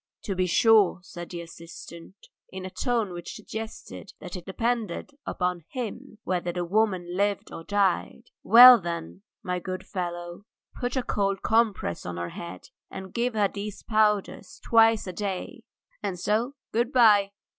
"To be sure," said the assistant, in a tone which suggested that it depended upon him whether the woman lived or died. "Well, then, my good fellow, put a cold compress on her head, and give her these powders twice a day, and so good bye.